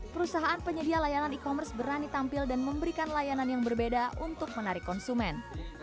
perusahaan penyedia layanan e commerce berani tampil dan memberikan layanan yang berbeda untuk menarik konsumen